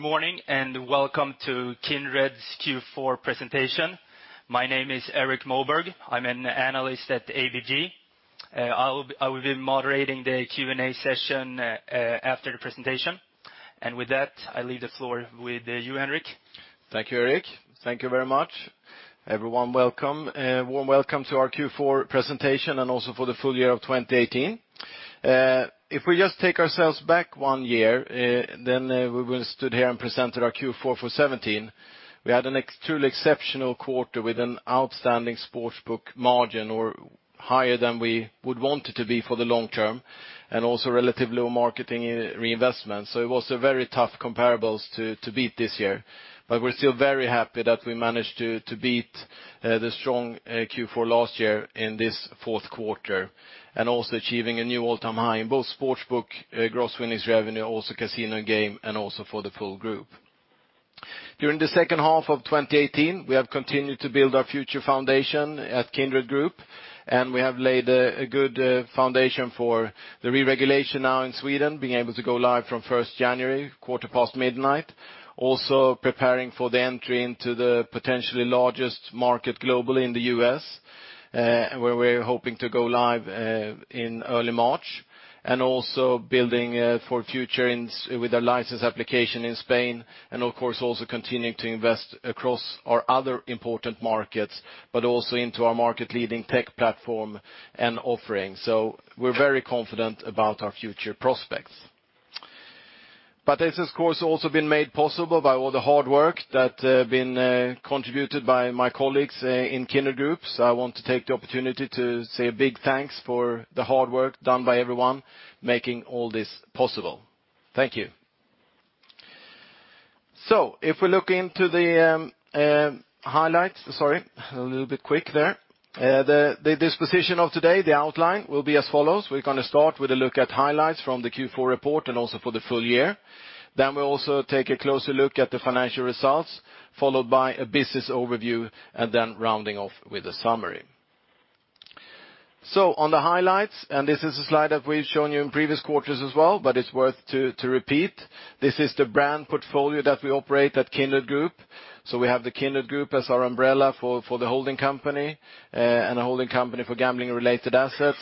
Good morning, and welcome to Kindred's Q4 presentation. My name is Erik Moberg. I am an analyst at ABG. I will be moderating the Q&A session after the presentation. With that, I leave the floor with you, Henrik. Thank you, Erik. Thank you very much. Everyone, welcome. Warm welcome to our Q4 presentation, and also for the full year of 2018. If we just take ourselves back one year, then we will have stood here and presented our Q4 for 2017. We had a truly exceptional quarter with an outstanding sportsbook margin, or higher than we would want it to be for the long term, and also relatively low marketing reinvestment. It was a very tough comparable to beat this year. We are still very happy that we managed to beat the strong Q4 last year in this fourth quarter, and also achieving a new all-time high in both sportsbook gross winnings revenue, also casino game, and also for the full group. During the second half of 2018, we have continued to build our future foundation at Kindred Group. We have laid a good foundation for the re-regulation now in Sweden, being able to go live from January 1st quarter past midnight. Also preparing for the entry into the potentially largest market globally in the U.S., where we are hoping to go live in early March. Also building for future with a license application in Spain, and of course, also continuing to invest across our other important markets, but also into our market leading tech platform and offering. We are very confident about our future prospects. This has, of course, also been made possible by all the hard work that have been contributed by my colleagues in Kindred Group. I want to take the opportunity to say a big thanks for the hard work done by everyone, making all this possible. Thank you. Sorry, a little bit quick there. The disposition of today, the outline, will be as follows. We are going to start with a look at highlights from the Q4 report, and also for the full year. Then we will also take a closer look at the financial results, followed by a business overview, rounding off with a summary. On the highlights, and this is a slide that we have shown you in previous quarters as well, but it is worth to repeat. This is the brand portfolio that we operate at Kindred Group. We have the Kindred Group as our umbrella for the holding company, and a holding company for gambling-related assets.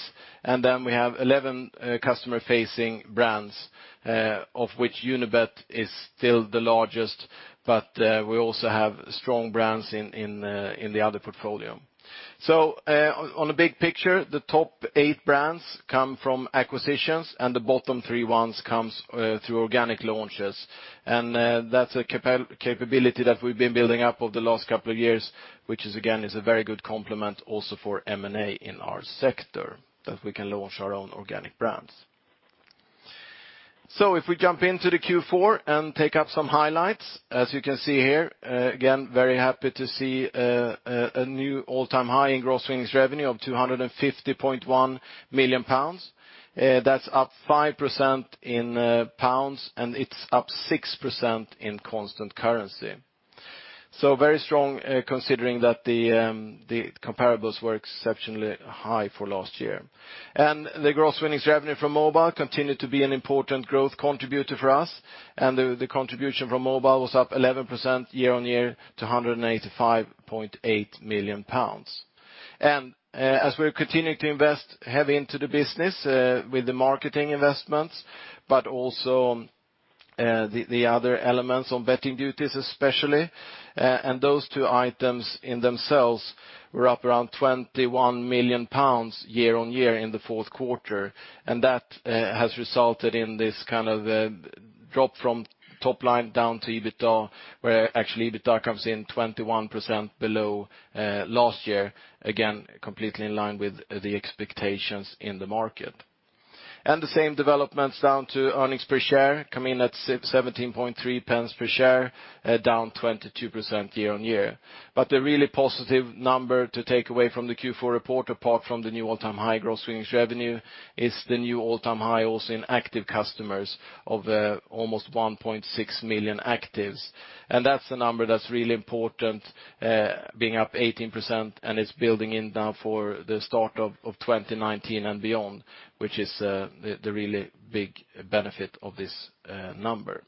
We have 11 customer-facing brands, of which Unibet is still the largest, but we also have strong brands in the other portfolio. On the big picture, the top eight brands come from acquisitions, and the bottom three ones comes through organic launches. That's a capability that we've been building up over the last couple of years, which is, again, is a very good complement also for M&A in our sector, that we can launch our own organic brands. If we jump into the Q4 and take up some highlights, as you can see here, again, very happy to see a new all-time high in gross winnings revenue of 250.1 million pounds. That's up 5% in GBP, and it's up 6% in constant currency. Very strong, considering that the comparables were exceptionally high for last year. The gross winnings revenue from mobile continued to be an important growth contributor for us. The contribution from mobile was up 11% year-on-year to 185.8 million pounds. As we're continuing to invest heavy into the business with the marketing investments, but also the other elements on betting duties, especially, those two items in themselves were up around 21 million pounds year-on-year in the fourth quarter, that has resulted in this kind of drop from top line down to EBITDA, where actually EBITDA comes in 21% below last year. Completely in line with the expectations in the market. The same developments down to earnings per share come in at 0.173 per share, down 22% year-on-year. The really positive number to take away from the Q4 report, apart from the new all-time high gross winnings revenue, is the new all-time high also in active customers of almost 1.6 million actives. That's a number that's really important, being up 18%, and it's building in now for the start of 2019 and beyond, which is the really big benefit of this number.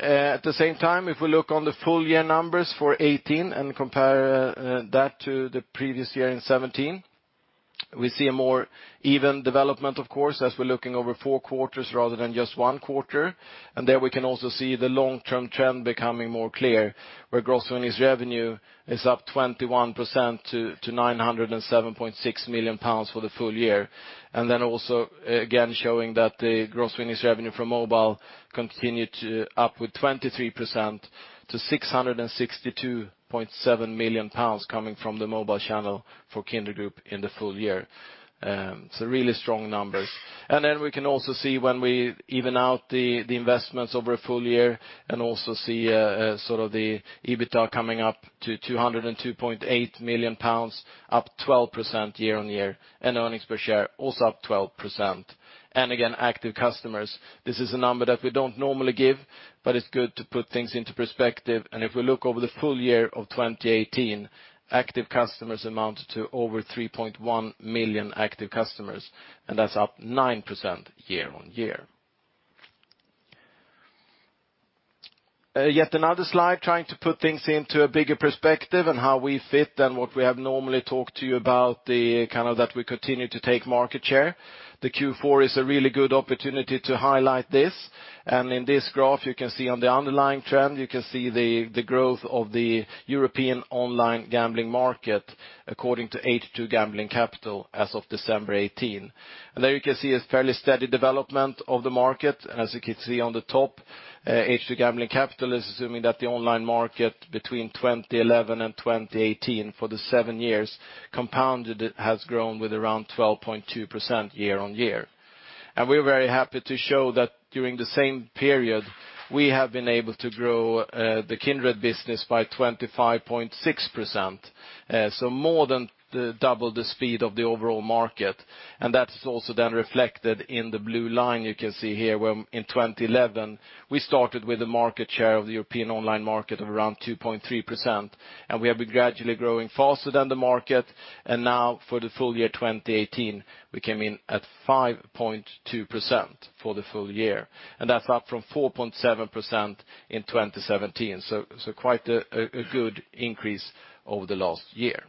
At the same time, if we look on the full year numbers for 2018 and compare that to the previous year in 2017, we see a more even development, of course, as we're looking over four quarters rather than just one quarter. There we can also see the long-term trend becoming more clear, where gross winnings revenue is up 21% to 907.6 million pounds for the full year. Also, again, showing that the gross winnings revenue from mobile continued up with 23% to 662.7 million pounds coming from the mobile channel for Kindred Group in the full year. It's a really strong number. We can also see when we even out the investments over a full year and also see sort of the EBITDA coming up to 202.8 million pounds, up 12% year-on-year, and earnings per share also up 12%. Active customers, this is a number that we don't normally give. But it's good to put things into perspective, and if we look over the full year of 2018, active customers amounted to over 3.1 million active customers, and that's up 9% year-on-year. Yet another slide, trying to put things into a bigger perspective on how we fit and what we have normally talked to you about, that we continue to take market share. The Q4 is a really good opportunity to highlight this, and in this graph, you can see on the underlying trend, you can see the growth of the European online gambling market according to H2 Gambling Capital as of December 2018. There you can see a fairly steady development of the market. As you can see on the top, H2 Gambling Capital is assuming that the online market between 2011 and 2018, for the 7 years, compounded, it has grown with around 12.2% year-on-year. We are very happy to show that during the same period, we have been able to grow the Kindred business by 25.6%. More than double the speed of the overall market. That is also then reflected in the blue line you can see here, where in 2011, we started with a market share of the European online market of around 2.3%, and we have been gradually growing faster than the market. Now for the full year 2018, we came in at 5.2% for the full year, and that's up from 4.7% in 2017. Quite a good increase over the last year.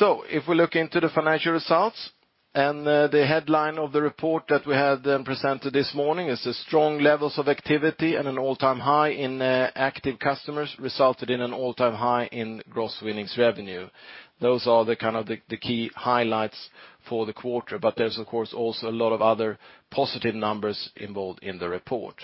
If we look into the financial results, the headline of the report that we have then presented this morning is the strong levels of activity and an all-time high in active customers resulted in an all-time high in gross winnings revenue. Those are the kind of the key highlights for the quarter. There's, of course, also a lot of other positive numbers involved in the report.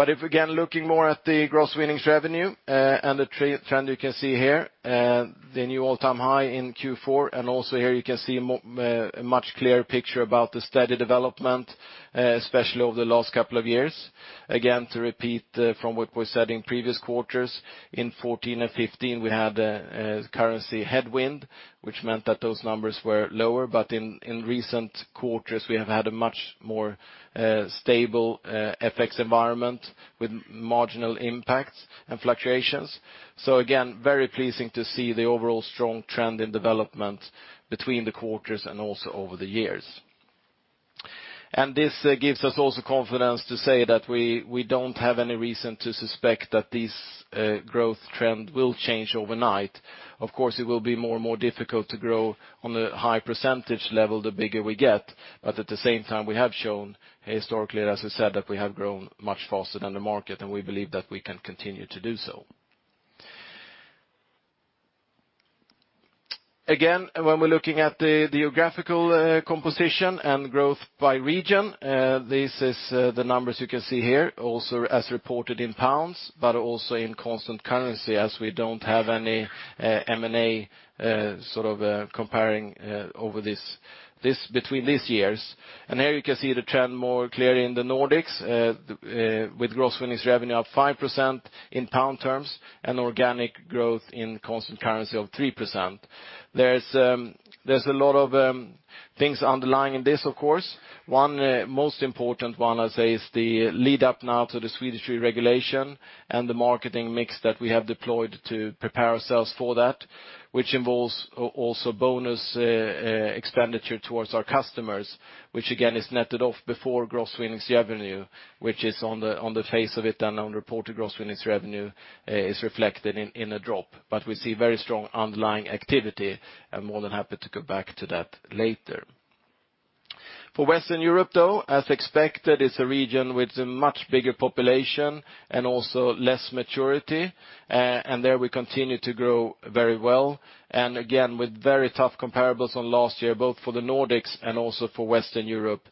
If, again, looking more at the gross winnings revenue, the trend you can see here, the new all-time high in Q4, and also here you can see a much clearer picture about the steady development, especially over the last couple of years. Again, to repeat from what we said in previous quarters, in 2014 and 2015, we had a currency headwind, which meant that those numbers were lower. In recent quarters, we have had a much more stable FX environment with marginal impacts and fluctuations. Again, very pleasing to see the overall strong trend in development between the quarters and also over the years. This gives us also confidence to say that we don't have any reason to suspect that this growth trend will change overnight. Of course, it will be more and more difficult to grow on a high percentage level the bigger we get. At the same time, we have shown historically, as I said, that we have grown much faster than the market, and we believe that we can continue to do so. Again, when we're looking at the geographical composition and growth by region, this is the numbers you can see here, also as reported in GBP, but also in constant currency as we don't have any M&A comparing between these years. Here you can see the trend more clearly in the Nordics, with gross winnings revenue up 5% in GBP terms and organic growth in constant currency of 3%. There's a lot of things underlying this, of course. Most important one, I'd say, is the lead-up now to the Swedish regulation and the marketing mix that we have deployed to prepare ourselves for that, which involves also bonus expenditure towards our customers, which again is netted off before gross winnings revenue, which is on the face of it, and on reported gross winnings revenue, is reflected in a drop. We see very strong underlying activity. I'm more than happy to go back to that later. For Western Europe, though, as expected, it's a region with a much bigger population and also less maturity, and there we continue to grow very well. Again, with very tough comparables on last year, both for the Nordics and also for Western Europe.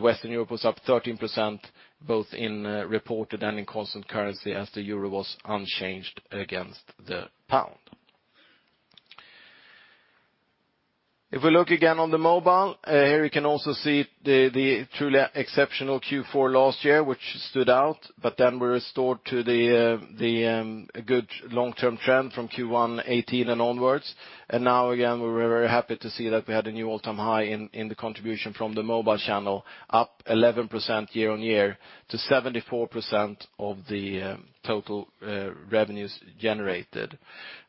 Western Europe was up 13%, both in reported and in constant currency as the EUR was unchanged against the GBP. If we look again on the mobile, here you can also see the truly exceptional Q4 last year, which stood out, but then we restored to the good long-term trend from Q1 2018 and onwards. Now again, we're very happy to see that we had a new all-time high in the contribution from the mobile channel, up 11% year-on-year to 74% of the total revenues generated.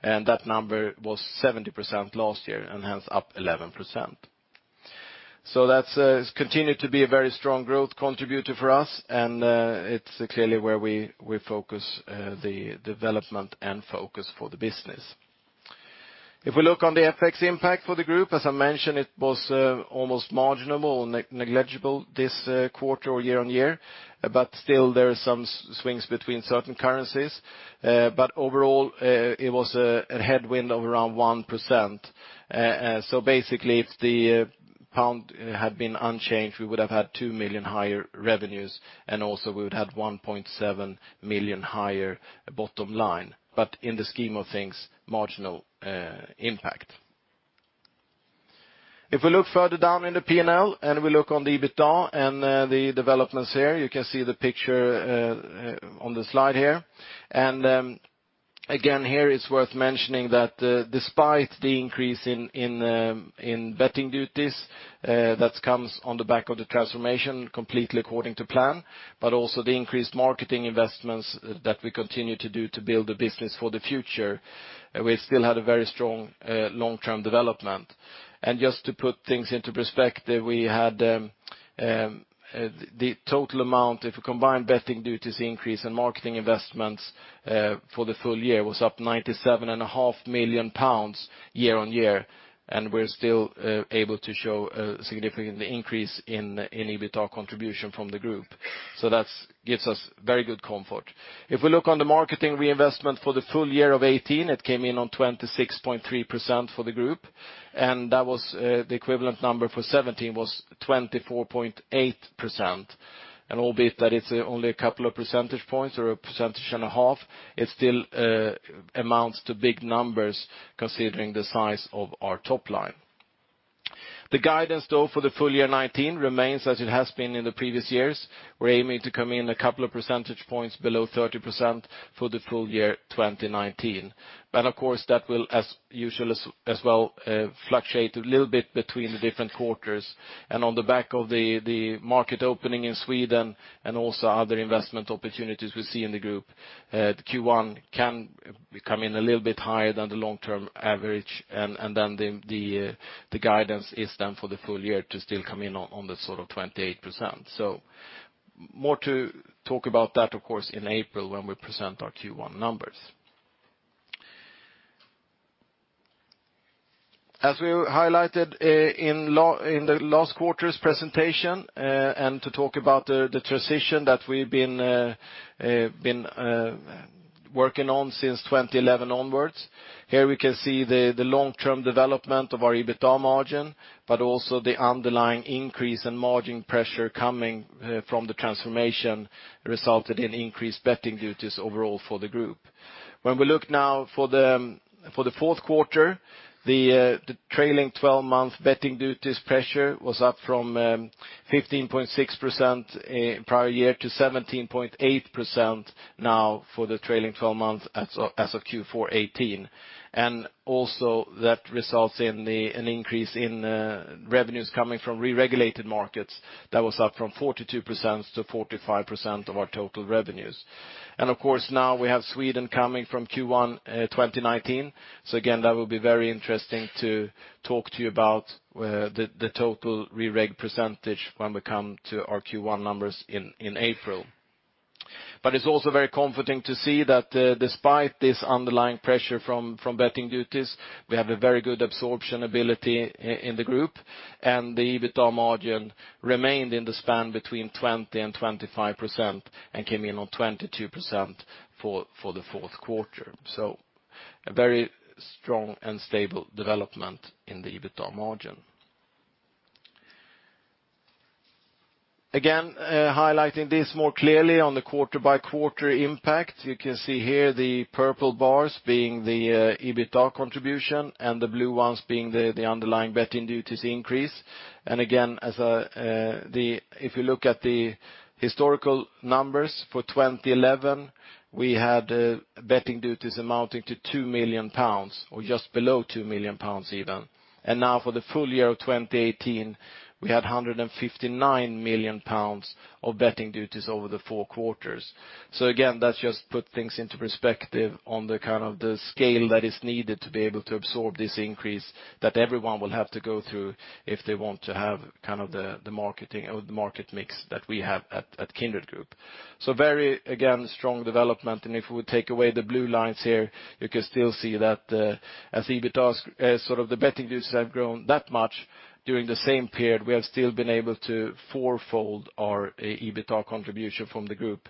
That number was 70% last year, and hence up 11%. That's continued to be a very strong growth contributor for us, and it's clearly where we focus the development and focus for the business. If we look on the FX impact for the group, as I mentioned, it was almost marginal, negligible this quarter or year-on-year, but still there are some swings between certain currencies. Overall, it was a headwind of around 1%. Basically, if the GBP had been unchanged, we would have had 2 million higher revenues, and also we would had 1.7 million higher bottom line, in the scheme of things, marginal impact. If we look further down in the P&L, we look on the EBITDA and the developments here, you can see the picture on the slide here. Again, here it's worth mentioning that despite the increase in betting duties, that comes on the back of the transformation completely according to plan, also the increased marketing investments that we continue to do to build the business for the future, we still had a very strong long-term development. Just to put things into perspective, we had the total amount, if we combine betting duties increase and marketing investments for the full year, was up 97.5 million pounds year-on-year, we're still able to show a significant increase in EBITDA contribution from the group. That gives us very good comfort. If we look on the marketing reinvestment for the full year of 2018, it came in on 26.3% for the group, the equivalent number for 2017 was 24.8%. Albeit that it's only a couple of percentage points or a percentage and a half, it still amounts to big numbers considering the size of our top line. The guidance, though, for the full year 2019 remains as it has been in the previous years. We're aiming to come in a couple of percentage points below 30% for the full year 2019. Of course, that will, as usual as well, fluctuate a little bit between the different quarters. On the back of the market opening in Sweden and also other investment opportunities we see in the group, Q1 can come in a little bit higher than the long-term average, the guidance is then for the full year to still come in on the sort of 28%. More to talk about that, of course, in April when we present our Q1 numbers. As we highlighted in the last quarter's presentation, to talk about the transition that we've been working on since 2011 onwards, here we can see the long-term development of our EBITDA margin, but also the underlying increase in margin pressure coming from the transformation resulted in increased betting duties overall for the group. When we look now for the fourth quarter, the trailing 12-month betting duties pressure was up from 15.6% prior year to 17.8% now for the trailing 12 months as of Q4 2018. Also that results in an increase in revenues coming from re-regulated markets that was up from 42%-45% of our total revenues. Of course, now we have Sweden coming from Q1 2019. Again, that will be very interesting to talk to you about the total re-reg % when we come to our Q1 numbers in April. It's also very comforting to see that despite this underlying pressure from betting duties, we have a very good absorption ability in the group, and the EBITDA margin remained in the span between 20% and 25% and came in on 22% for the fourth quarter. A very strong and stable development in the EBITDA margin. Again, highlighting this more clearly on the quarter-by-quarter impact. You can see here the purple bars being the EBITDA contribution and the blue ones being the underlying betting duties increase. Again, if you look at the historical numbers for 2011, we had betting duties amounting to 2 million pounds or just below 2 million pounds even. Now for the full year of 2018, we had 159 million pounds of betting duties over the four quarters. Again, that just put things into perspective on the kind of the scale that is needed to be able to absorb this increase that everyone will have to go through if they want to have kind of the market mix that we have at Kindred Group. Very, again, strong development, if we take away the blue lines here, you can still see that as the betting duties have grown that much during the same period, we have still been able to four-fold our EBITDA contribution from the group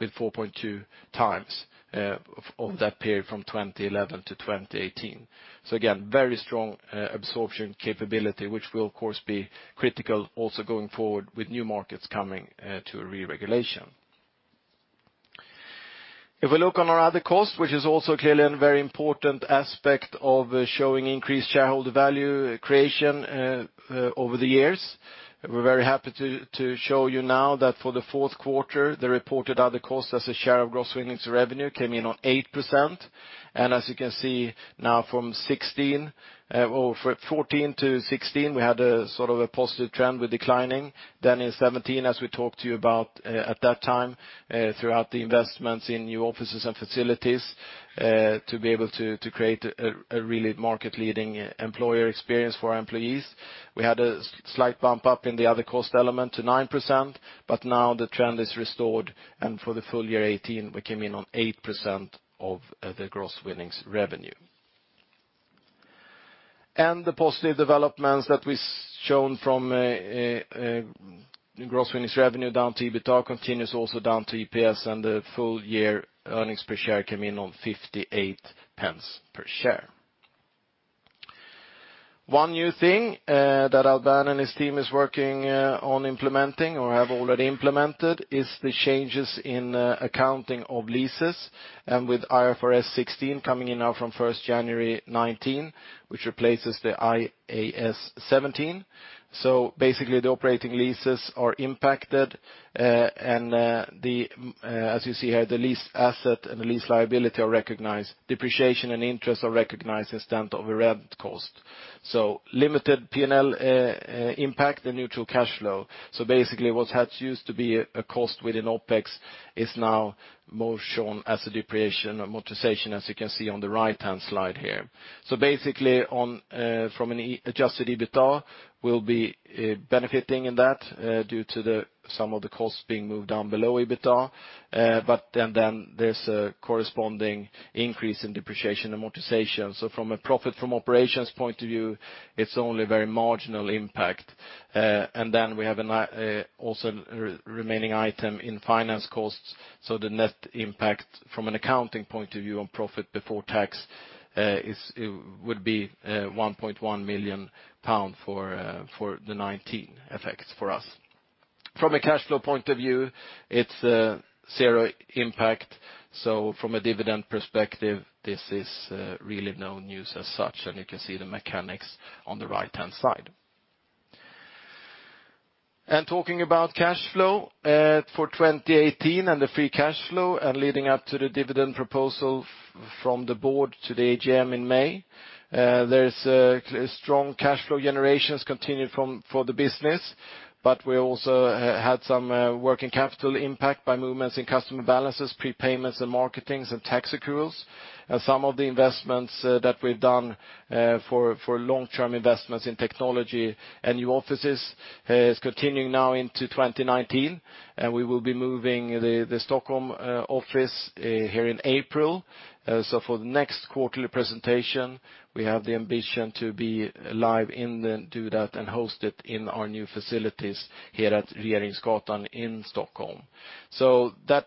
with 4.2x of that period from 2011 to 2018. Again, very strong absorption capability, which will of course be critical also going forward with new markets coming to a re-regulation. If we look on our other cost, which is also clearly a very important aspect of showing increased shareholder value creation over the years, we're very happy to show you now that for the fourth quarter, the reported other costs as a share of gross winnings revenue came in on 8%. As you can see now from 2014 to 2016, we had a sort of a positive trend with declining. In 2017, as we talked to you about at that time, throughout the investments in new offices and facilities, to be able to create a really market leading employer experience for our employees. We had a slight bump up in the other cost element to 9%, but now the trend is restored, and for the full year 2018, we came in on 8% of the gross winnings revenue. The positive developments that we've shown from gross winnings revenue down to EBITDA continues also down to EPS, and the full year earnings per share came in on 0.58 per share. One new thing that Alban and his team is working on implementing or have already implemented is the changes in accounting of leases and with IFRS 16 coming in now from January 1, 2019, which replaces the IAS 17. Basically, the operating leases are impacted, as you see here, the lease asset and the lease liability are recognized, depreciation and interest are recognized as then of a rent cost. Limited P&L impact, the neutral cash flow. Basically, what had used to be a cost within OpEx is now more shown as a depreciation or amortization, as you can see on the right-hand slide here. There's a corresponding increase in depreciation amortization. From a profit from operations point of view, it's only very marginal impact. We have also remaining item in finance costs, the net impact from an accounting point of view on profit before tax would be 1.1 million pound for the 2019 effects for us. From a cash flow point of view, it's zero impact. From a dividend perspective, this is really no news as such, and you can see the mechanics on the right-hand side. Talking about cash flow for 2018 and the free cash flow and leading up to the dividend proposal from the board to the AGM in May, there's a strong cash flow generations continued for the business, but we also had some working capital impact by movements in customer balances, prepayments and marketings and tax accruals. Some of the investments that we've done for long-term investments in technology and new offices is continuing now into 2019, and we will be moving the Stockholm office here in April. For the next quarterly presentation, we have the ambition to be live in and do that and host it in our new facilities here at Regeringsgatan in Stockholm. That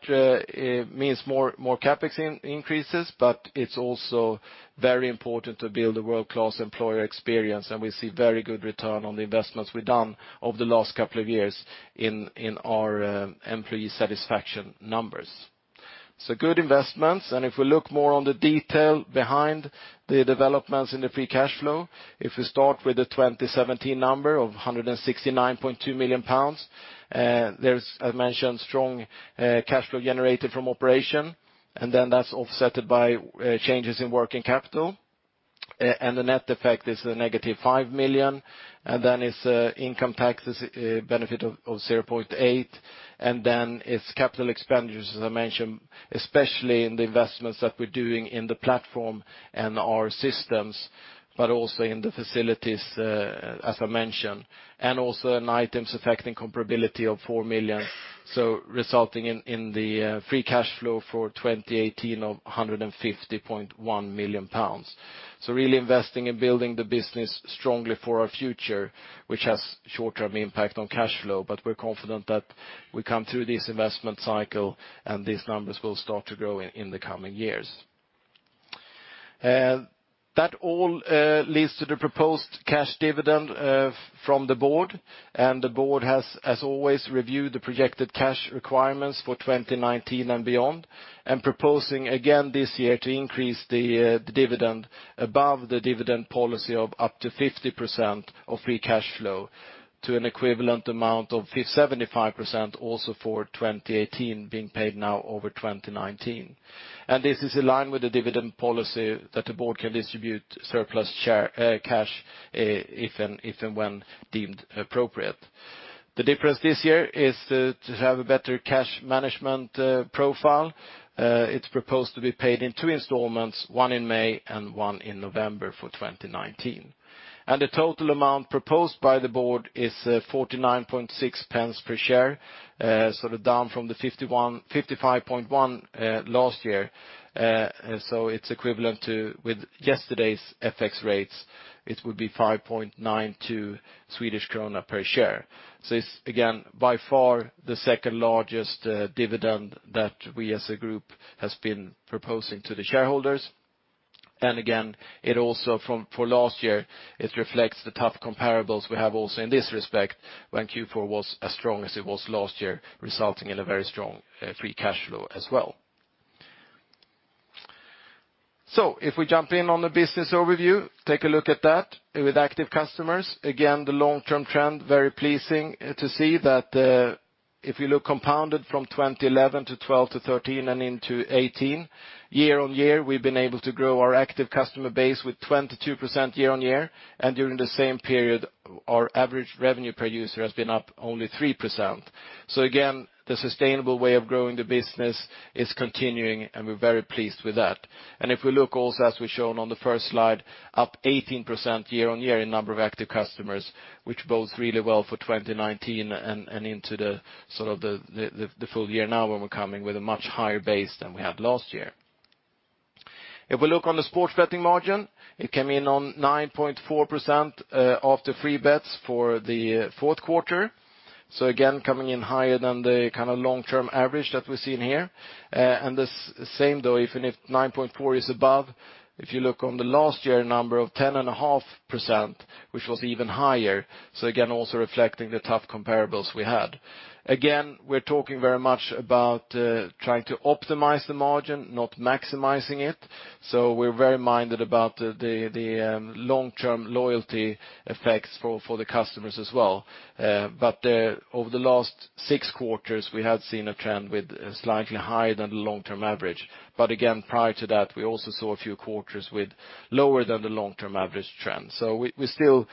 means more CapEx increases, but it's also very important to build a world-class employer experience, and we see very good return on the investments we've done over the last couple of years in our employee satisfaction numbers. Good investments. If we look more on the detail behind the developments in the free cash flow, if we start with the 2017 number of 169.2 million pounds, there's, as mentioned, strong cash flow generated from operation, and then that's offsetted by changes in working capital. The net effect is a -5 million. It is income taxes benefit of 0.8. It is capital expenditures, as I mentioned, especially in the investments that we're doing in the platform and our systems, but also in the facilities, as I mentioned, and also in items affecting comparability of 4 million, resulting in the free cash flow for 2018 of 150.1 million pounds. Really investing in building the business strongly for our future, which has short-term impact on cash flow, but we're confident that we come through this investment cycle, and these numbers will start to grow in the coming years. That all leads to the proposed cash dividend from the board. The board has, as always, reviewed the projected cash requirements for 2019 and beyond, proposing again this year to increase the dividend above the dividend policy of up to 50% of free cash flow to an equivalent amount of 75% also for 2018 being paid now over 2019. This is in line with the dividend policy that the board can distribute surplus cash if and when deemed appropriate. The difference this year is to have a better cash management profile. It's proposed to be paid in two installments, one in May and one in November for 2019. The total amount proposed by the board is 0.496 per share, sort of down from the 0.551 last year. It's equivalent to, with yesterday's FX rates, it would be 5.92 Swedish krona per share. It's, again, by far the second-largest dividend that we as a group has been proposing to the shareholders. Again, it also for last year, it reflects the tough comparables we have also in this respect when Q4 was as strong as it was last year, resulting in a very strong free cash flow as well. If we jump in on the business overview, take a look at that with active customers. Again, the long-term trend, very pleasing to see that if you look compounded from 2011 to 2012 to 2013 and into 2018, year-on-year, we've been able to grow our active customer base with 22% year-on-year. During the same period, our average revenue per user has been up only 3%. Again, the sustainable way of growing the business is continuing, and we're very pleased with that. If we look also, as we've shown on the first slide, up 18% year-on-year in number of active customers, which bodes really well for 2019 and into the full year now when we're coming with a much higher base than we had last year. If we look on the sports betting margin, it came in on 9.4% after free bets for the fourth quarter. Again, coming in higher than the long-term average that we're seeing here. The same though, even if 9.4 is above, if you look on the last year number of 10.5%, which was even higher, again also reflecting the tough comparables we had. Again, we're talking very much about trying to optimize the margin, not maximizing it. We're very minded about the long-term loyalty effects for the customers as well. Over the last six quarters, we have seen a trend with slightly higher than the long-term average. Again, prior to that, we also saw a few quarters with lower than the long-term average trend. We still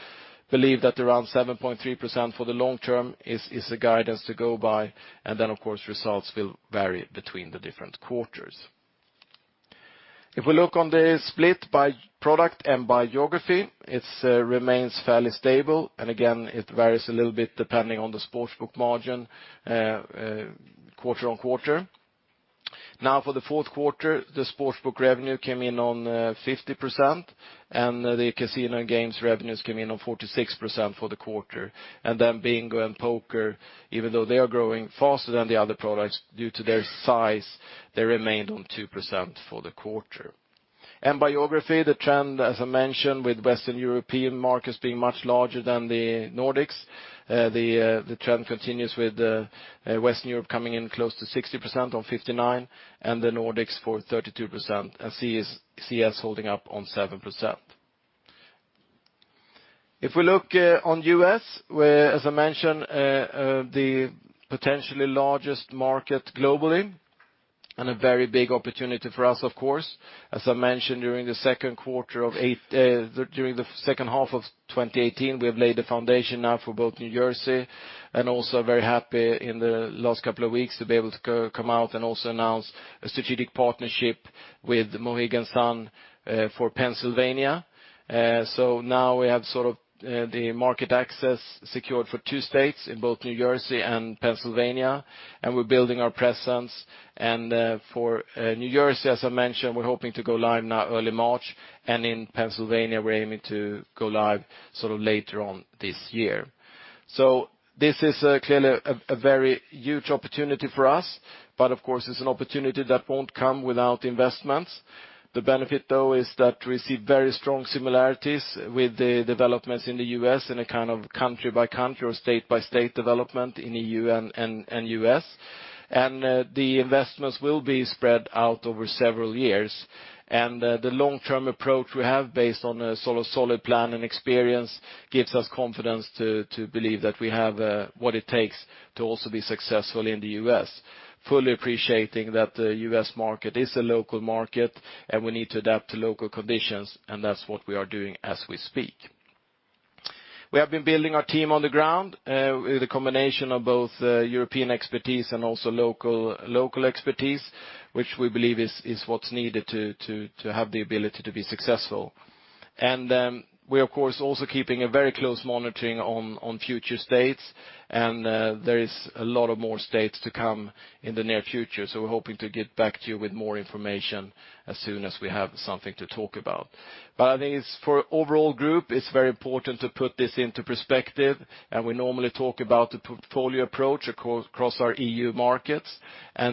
believe that around 7.3% for the long term is the guidance to go by, and then of course, results will vary between the different quarters. If we look on the split by product and by geography, it remains fairly stable. Again, it varies a little bit depending on the sports book margin quarter on quarter. For the fourth quarter, the sports book revenue came in on 50%, and the casino and games revenues came in on 46% for the quarter. Then bingo and poker, even though they are growing faster than the other products, due to their size, they remained on 2% for the quarter. By geography, the trend, as I mentioned, with Western European markets being much larger than the Nordics, the trend continues with Western Europe coming in close to 60% on 59%, and the Nordics for 32%, and CS holding up on 7%. If we look on the U.S., where, as I mentioned, the potentially largest market globally, and a very big opportunity for us, of course. As I mentioned during the second half of 2018, we have laid the foundation now for both New Jersey and also very happy in the last couple of weeks to be able to come out and also announce a strategic partnership with Mohegan Sun for Pennsylvania. Now we have the market access secured for two states in both New Jersey and Pennsylvania, and we're building our presence. For New Jersey, as I mentioned, we're hoping to go live now early March, and in Pennsylvania, we're aiming to go live later on this year. This is clearly a very huge opportunity for us, but of course, it's an opportunity that won't come without investments. The benefit, though, is that we see very strong similarities with the developments in the U.S. in a kind of country-by-country or state-by-state development in the E.U. and U.S. The investments will be spread out over several years. The long-term approach we have based on a solid plan and experience gives us confidence to believe that we have what it takes to also be successful in the U.S., fully appreciating that the U.S. market is a local market, and we need to adapt to local conditions, and that's what we are doing as we speak. We have been building our team on the ground with a combination of both European expertise and also local expertise, which we believe is what's needed to have the ability to be successful. We are, of course, also keeping a very close monitoring on future states, and there is a lot of more states to come in the near future. We're hoping to get back to you with more information as soon as we have something to talk about. For overall group, it's very important to put this into perspective, and we normally talk about the portfolio approach across our E.U. markets,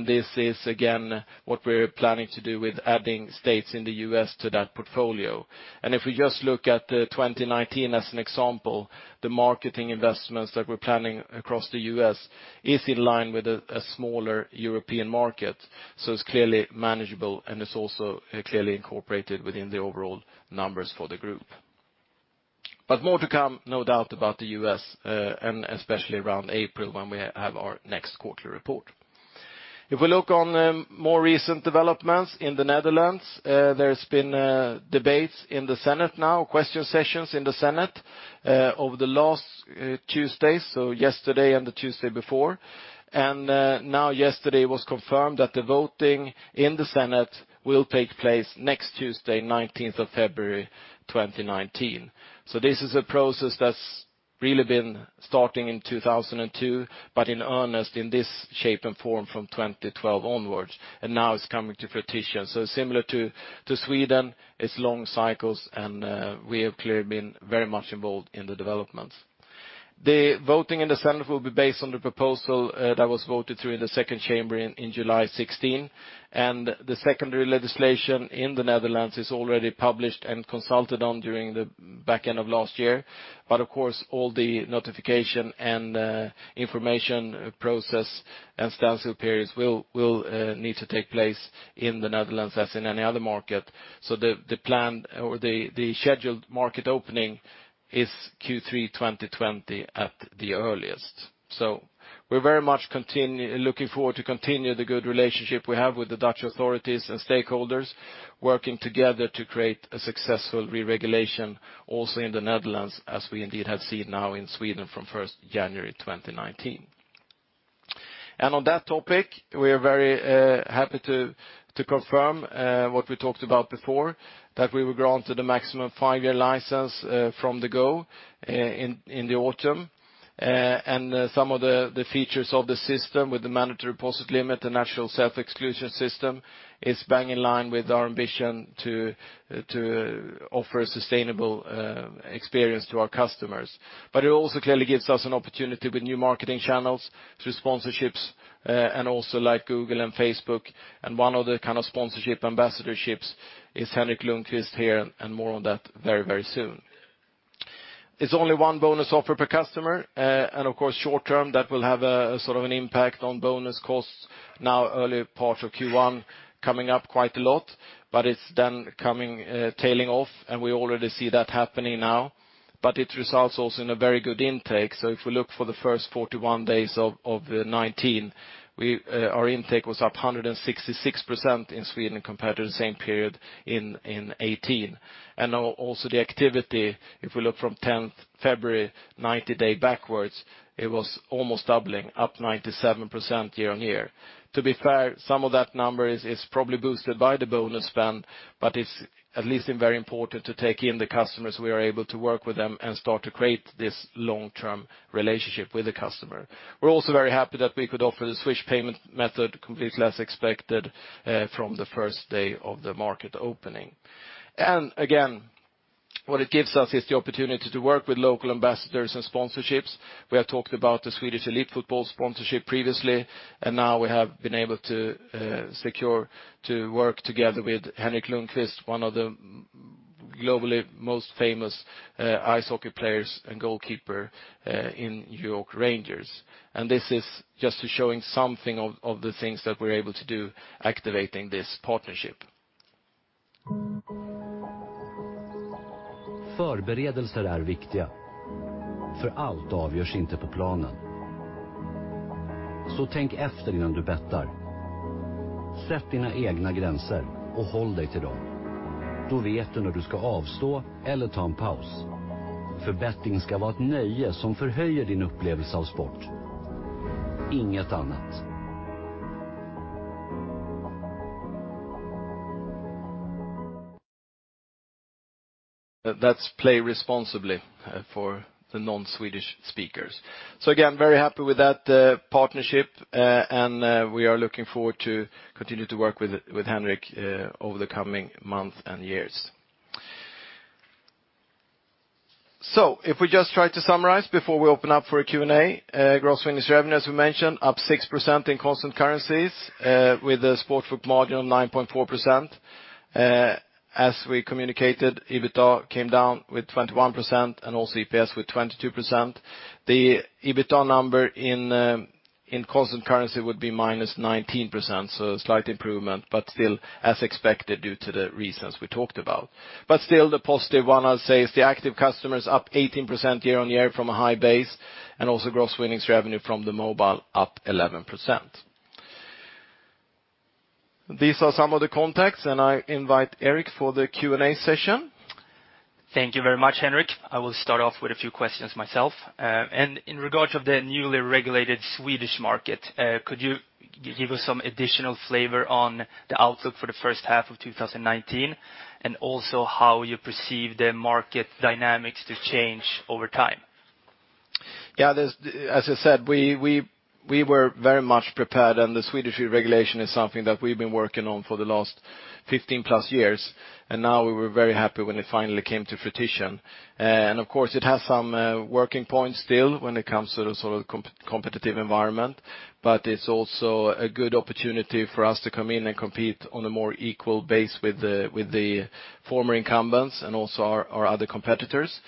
this is, again, what we're planning to do with adding states in the U.S. to that portfolio. If we just look at 2019 as an example, the marketing investments that we're planning across the U.S. is in line with a smaller European market. It's clearly manageable, and it's also clearly incorporated within the overall numbers for the group. More to come, no doubt, about the U.S., and especially around April when we have our next quarterly report. If we look on more recent developments in the Netherlands, there's been debates in the Senate now, question sessions in the Senate over the last Tuesday, yesterday and the Tuesday before. Now yesterday it was confirmed that the voting in the Senate will take place next Tuesday, 19th of February 2019. This is a process that's really been starting in 2002, but in earnest in this shape and form from 2012 onwards, and now it's coming to fruition. Similar to Sweden, it's long cycles, and we have clearly been very much involved in the developments. The voting in the Senate will be based on the proposal that was voted through in the second chamber in July 2016, and the secondary legislation in the Netherlands is already published and consulted on during the back end of last year. Of course, all the notification and information process and stencil periods will need to take place in the Netherlands as in any other market. The plan or the scheduled market opening is Q3 2020 at the earliest. We're very much looking forward to continue the good relationship we have with the Dutch authorities and stakeholders, working together to create a successful re-regulation also in the Netherlands, as we indeed have seen now in Sweden from 1st January 2019. On that topic, we are very happy to confirm what we talked about before, that we were granted a maximum five-year license from the go in the autumn. Some of the features of the system with the mandatory deposit limit and national self-exclusion system is bang in line with our ambition to offer a sustainable experience to our customers. It also clearly gives us an opportunity with new marketing channels through sponsorships and also like Google and Facebook. One of the kind of sponsorship ambassadorships is Henrik Lundqvist here, and more on that very soon. It's only one bonus offer per customer. Of course, short term, that will have an impact on bonus costs, now early part of Q1 coming up quite a lot. It's then tailing off, and we already see that happening now. It results also in a very good intake. If we look for the first 41 days of 2019, our intake was up 166% in Sweden compared to the same period in 2018. Also the activity, if we look from 10th February, 90 day backwards, it was almost doubling, up 97% year-on-year. To be fair, some of that number is probably boosted by the bonus spend, but it's at least very important to take in the customers we are able to work with them and start to create this long-term relationship with the customer. We're also very happy that we could offer the Swish payment method completely as expected from the first day of the market opening. Again, what it gives us is the opportunity to work with local ambassadors and sponsorships. We have talked about the Swedish elite football sponsorship previously. Now we have been able to secure to work together with Henrik Lundqvist, one of the globally most famous ice hockey players and goalkeeper in New York Rangers. This is just to showing something of the things that we're able to do activating this partnership. That's play responsibly for the non-Swedish speakers. Again, very happy with that partnership, and we are looking forward to continue to work with Henrik over the coming months and years. If we just try to summarize before we open up for a Q&A. Gross winnings revenue, as we mentioned, up 6% in constant currencies with the sports book margin of 9.4%. As we communicated, EBITDA came down with 21% and also EPS with 22%. The EBITDA number in constant currency would be -19%, a slight improvement, but still as expected due to the reasons we talked about. Still the positive one, I'll say, is the active customers up 18% year-on-year from a high base, and also gross winnings revenue from the mobile up 11%. These are some of the contacts, and I invite Erik for the Q&A session. Thank you very much, Henrik. I will start off with a few questions myself. In regards of the newly regulated Swedish market, could you give us some additional flavor on the outlook for the first half of 2019? Also how you perceive the market dynamics to change over time. Yeah. As I said, we were very much prepared. The Swedish regulation is something that we've been working on for the last 15+ years. Now we were very happy when it finally came to fruition. Of course, it has some working points still when it comes to the sort of competitive environment. It's also a good opportunity for us to come in and compete on a more equal base with the former incumbents and also our other competitors.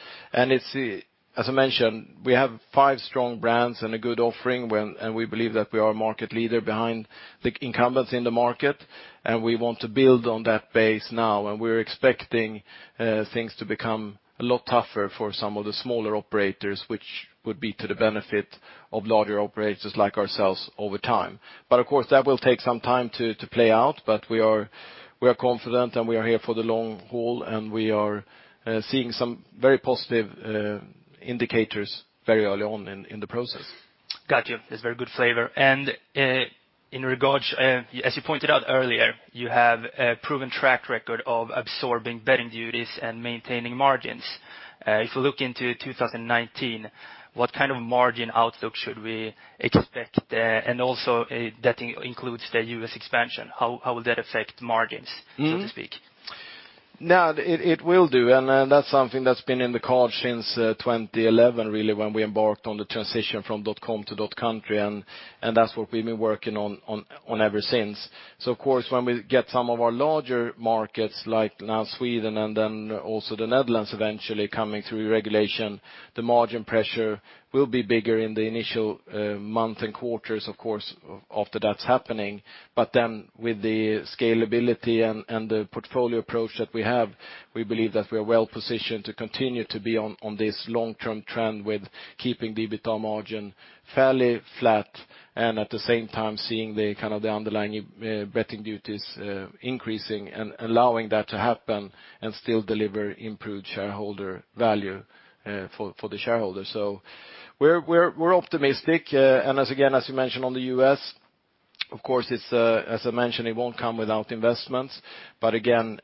As I mentioned, we have five strong brands and a good offering. We believe that we are a market leader behind the incumbents in the market, and we want to build on that base now. We're expecting things to become a lot tougher for some of the smaller operators, which would be to the benefit of larger operators like ourselves over time. That will take some time to play out, we are confident, we are here for the long haul, we are seeing some very positive indicators very early on in the process. Got you. That's very good flavor. As you pointed out earlier, you have a proven track record of absorbing betting duties and maintaining margins. If you look into 2019, what kind of margin outlook should we expect there? Also that includes the U.S. expansion. How will that affect margins, so to speak? It will do, that's something that's been in the cards since 2011, really, when we embarked on the transition from dotcom to dotcountry, that's what we've been working on ever since. Of course, when we get some of our larger markets, like now Sweden and also the Netherlands eventually coming through regulation, the margin pressure will be bigger in the initial months and quarters, of course, after that's happening. With the scalability and the portfolio approach that we have, we believe that we are well-positioned to continue to be on this long-term trend with keeping the EBITDA margin fairly flat and at the same time seeing the underlying betting duties increasing and allowing that to happen and still deliver improved shareholder value for the shareholders. We're optimistic. Again, as you mentioned on the U.S., of course, as I mentioned, it won't come without investments. Again,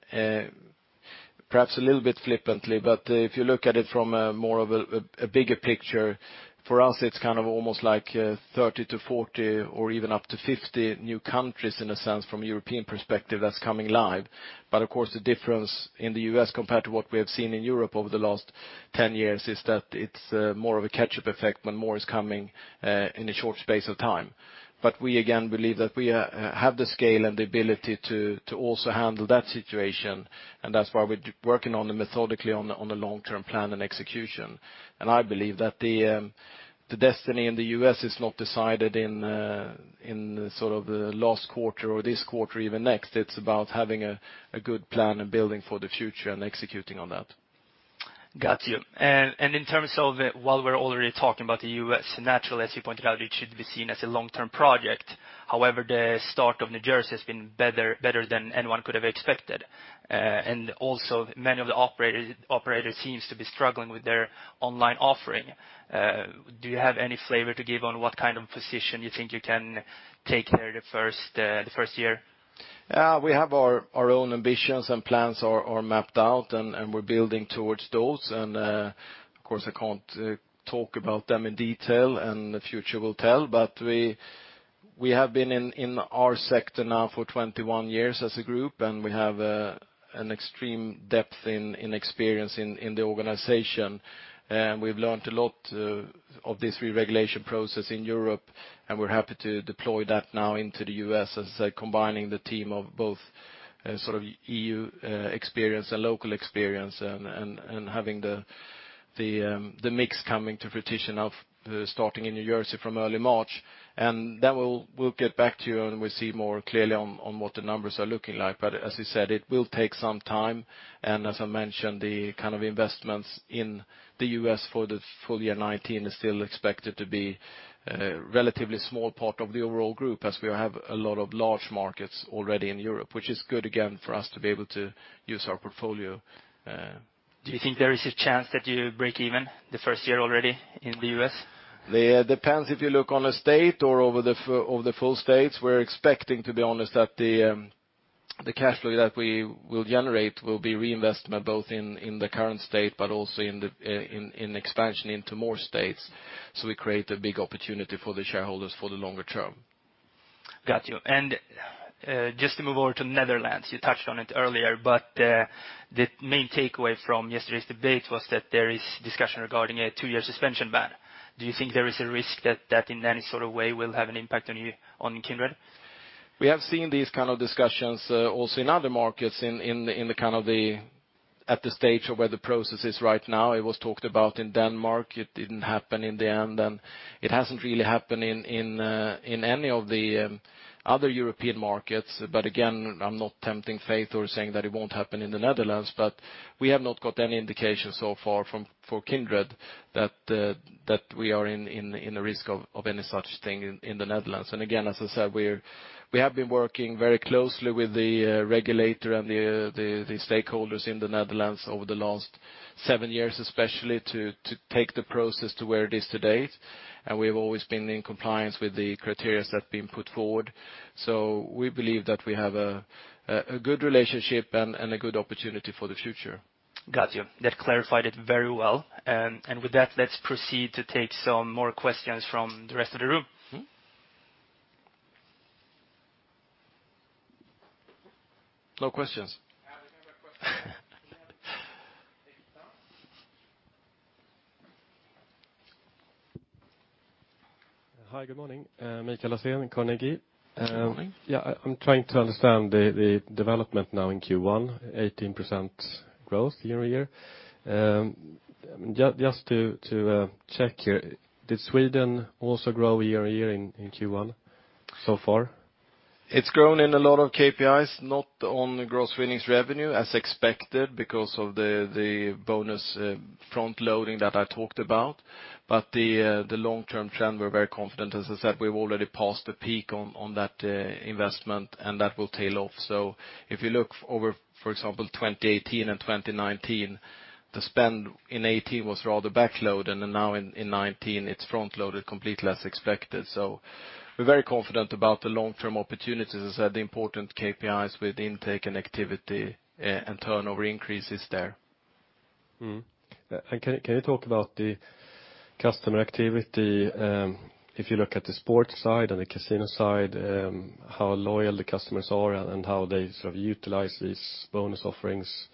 perhaps a little bit flippantly, if you look at it from a more of a bigger picture, for us, it's kind of almost like 30 to 40 or even up to 50 new countries in a sense from a European perspective that's coming live. Of course, the difference in the U.S. compared to what we have seen in Europe over the last 10 years is that it's more of a catch-up effect when more is coming in a short space of time. We again believe that we have the scale and the ability to also handle that situation, that's why we're working on it methodically on a long-term plan and execution. I believe that the destiny in the U.S. is not decided in sort of the last quarter or this quarter, even next. It's about having a good plan and building for the future and executing on that. Got you. In terms of, while we're already talking about the U.S., naturally, as you pointed out, it should be seen as a long-term project. However, the start of New Jersey has been better than anyone could have expected. Also many of the operators seems to be struggling with their online offering. Do you have any flavor to give on what kind of position you think you can take there the first year? We have our own ambitions and plans are mapped out, and we're building towards those. Of course, I can't talk about them in detail, and the future will tell. We have been in our sector now for 21 years as a group, and we have an extreme depth in experience in the organization. We've learnt a lot of this re-regulation process in Europe, and we're happy to deploy that now into the U.S. as combining the team of both EU experience and local experience and having the mix coming to fruition of starting in New Jersey from early March. Then we'll get back to you, and we'll see more clearly on what the numbers are looking like. As you said, it will take some time, and as I mentioned, the kind of investments in the U.S. for the full year 2019 is still expected to be a relatively small part of the overall group as we have a lot of large markets already in Europe, which is good, again, for us to be able to use our portfolio. Do you think there is a chance that you break even the first year already in the U.S.? It depends if you look on a state or over the full states. We're expecting, to be honest, that the cash flow that we will generate will be reinvestment both in the current state but also in expansion into more states. We create a big opportunity for the shareholders for the longer term. Got you. Just to move over to Netherlands, you touched on it earlier, but the main takeaway from yesterday's debate was that there is discussion regarding a two-year suspension ban. Do you think there is a risk that that in any sort of way will have an impact on Kindred? We have seen these kind of discussions, also in other markets at the stage of where the process is right now. It was talked about in Denmark. It didn't happen in the end, and it hasn't really happened in any of the other European markets. Again, I'm not tempting fate or saying that it won't happen in the Netherlands, but we have not got any indication so far for Kindred that we are in a risk of any such thing in the Netherlands. Again, as I said, we have been working very closely with the regulator and the stakeholders in the Netherlands over the last seven years, especially to take the process to where it is to-date. We have always been in compliance with the criteria that have been put forward. We believe that we have a good relationship and a good opportunity for the future. Got you. That clarified it very well. With that, let's proceed to take some more questions from the rest of the room. No questions? Hi, good morning. Mikael Lassén, Carnegie. Good morning. Yeah, I'm trying to understand the development now in Q1, 18% growth year-over-year. Just to check here, did Sweden also grow year-over-year in Q1 so far? It's grown in a lot of KPIs, not on gross winnings revenue, as expected because of the bonus front-loading that I talked about. The long-term trend, we're very confident. As I said, we've already passed the peak on that investment, and that will tail off. If you look over, for example, 2018 and 2019, the spend in 2018 was rather backloaded, and now in 2019, it's front-loaded completely as expected. We're very confident about the long-term opportunities. As I said, the important KPIs with intake and activity and turnover increase is there. Can you talk about the customer activity, if you look at the sports side and the casino side, how loyal the customers are and how they sort of utilize these bonus offerings,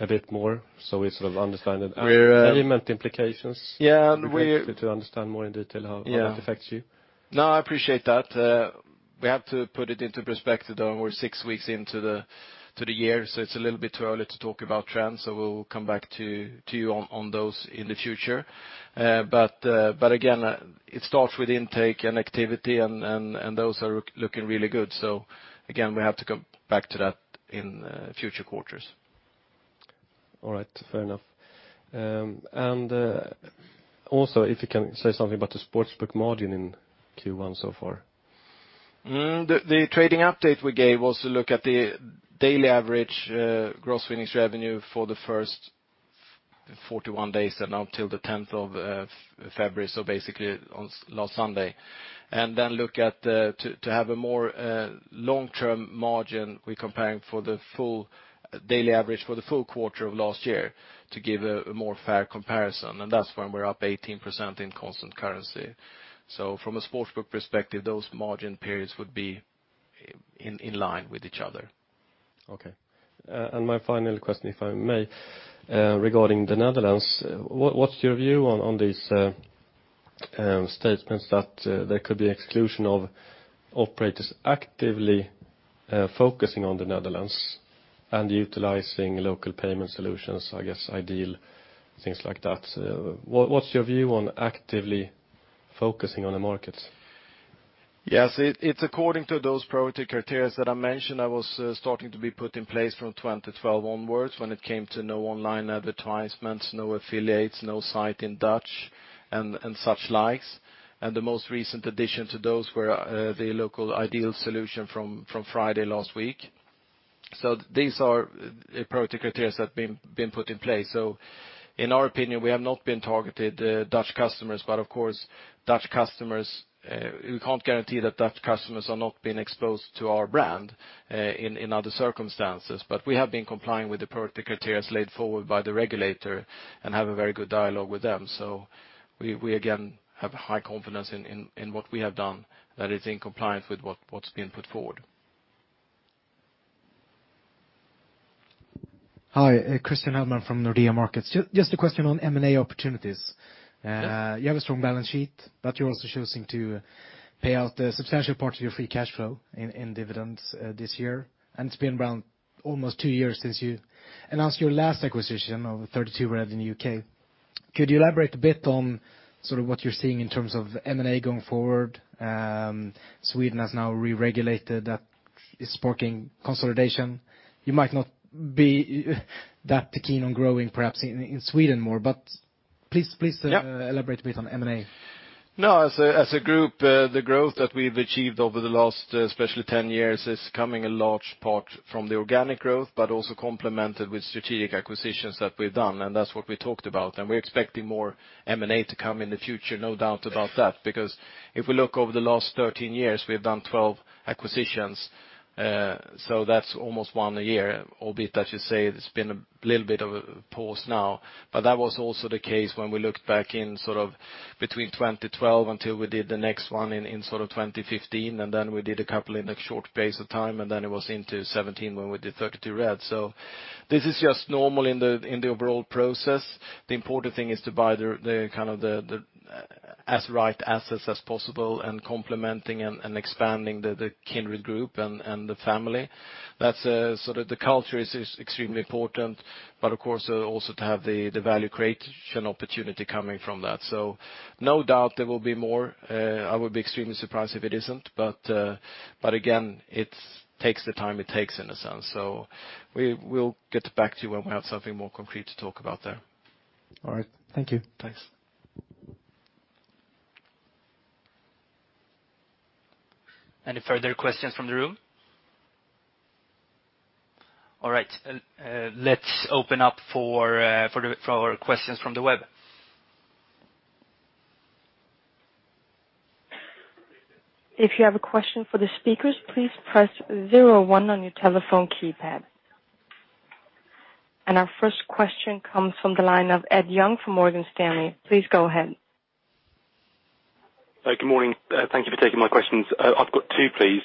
a bit more so we sort of understand the payment implications? Yeah. It'd be great to understand more in detail how that affects you. No, I appreciate that. We have to put it into perspective, though. We're six weeks into the year, it's a little bit too early to talk about trends, we'll come back to you on those in the future. Again, it starts with intake and activity, those are looking really good. Again, we have to come back to that in future quarters. All right. Fair enough. Also, if you can say something about the sportsbook margin in Q1 so far. The trading update we gave was to look at the daily average gross winnings revenue for the first 41 days and until the 10th of February, so basically last Sunday. Then to have a more long-term margin, we're comparing for the full daily average for the full quarter of last year to give a more fair comparison, and that's when we're up 18% in constant currency. From a sportsbook perspective, those margin periods would be in line with each other. Okay. My final question, if I may, regarding the Netherlands. What's your view on these statements that there could be exclusion of operators actively focusing on the Netherlands and utilizing local payment solutions, I guess iDEAL, things like that. What's your view on actively focusing on the market? Yes, it's according to those priority criterias that I mentioned, that was starting to be put in place from 2012 onwards when it came to no online advertisements, no affiliates, no site in Dutch, and such likes. The most recent addition to those were the local iDEAL solution from Friday last week. These are priority criterias that have been put in place. In our opinion, we have not been targeted Dutch customers, but of course, we can't guarantee that Dutch customers are not being exposed to our brand in other circumstances. We have been complying with the priority criterias laid forward by the regulator and have a very good dialogue with them. We, again, have high confidence in what we have done that is in compliance with what's been put forward. Hi. Christian Hellman from Nordea Markets. Just a question on M&A opportunities. Yeah. You have a strong balance sheet, you're also choosing to pay out a substantial part of your free cash flow in dividends this year, and it's been around almost two years since you announced your last acquisition of 32Red in the U.K. Could you elaborate a bit on sort of what you're seeing in terms of M&A going forward? Sweden has now re-regulated that is sparking consolidation. You might not be that keen on growing, perhaps, in Sweden more, please Yeah Elaborate a bit on M&A. No. As a group, the growth that we've achieved over the last especially 10 years is coming a large part from the organic growth, also complemented with strategic acquisitions that we've done, and that's what we talked about. We're expecting more M&A to come in the future, no doubt about that, because if we look over the last 13 years, we've done 12 acquisitions. That's almost one a year, albeit, I should say there's been a little bit of a pause now. That was also the case when we looked back in sort of between 2012 until we did the next one in 2015, and then we did a couple in a short space of time, and then it was into 2017 when we did 32Red. This is just normal in the overall process. The important thing is to buy the kind of as right assets as possible and complementing and expanding the Kindred Group and the family. The culture is extremely important, of course also to have the value creation opportunity coming from that. No doubt there will be more. I would be extremely surprised if it isn't. Again, it takes the time it takes in a sense. We'll get back to you when we have something more concrete to talk about there. All right. Thank you. Thanks. Any further questions from the room? All right. Let's open up for questions from the web. If you have a question for the speakers, please press zero one on your telephone keypad. Our first question comes from the line of Ed Young from Morgan Stanley. Please go ahead. Good morning. Thank you for taking my questions. I've got two, please.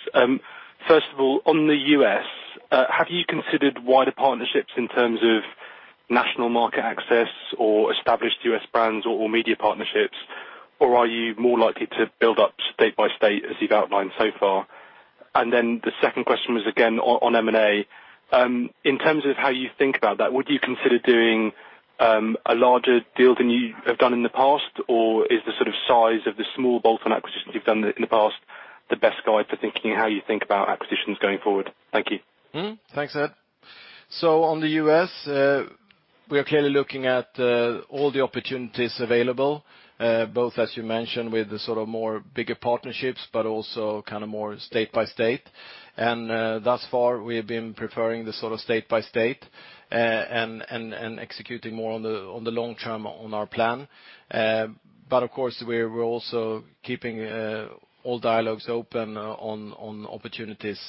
First of all, on the U.S., have you considered wider partnerships in terms of national market access or established U.S. brands or media partnerships, or are you more likely to build up state by state as you've outlined so far? The second question was, again, on M&A. In terms of how you think about that, would you consider doing a larger deal than you have done in the past, or is the sort of size of the small bolt-on acquisitions you've done in the past the best guide for thinking how you think about acquisitions going forward? Thank you. Thanks, Ed. On the U.S., we are clearly looking at all the opportunities available, both, as you mentioned, with the sort of more bigger partnerships, but also kind of more state by state. Thus far, we have been preferring the sort of state by state and executing more on the long term on our plan. Of course, we're also keeping all dialogues open on opportunities